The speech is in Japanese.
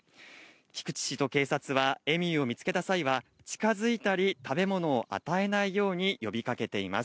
菊池市と警察はエミューを見つけた際は、近づいたり、食べ物を与えないように呼びかけています。